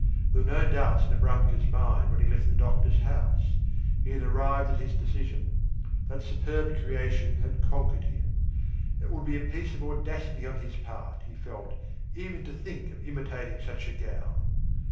There were no doubts in Abramka's mind when he left the doctor's house. He had arrived at his decision. That superb creation had conquered him. It would be a piece of audacity on his part, he felt, even to think of imitating such a gown.